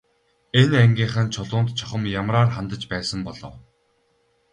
Энэ ангийнхан Чулуунд чухам ямраар хандаж байсан бол оо.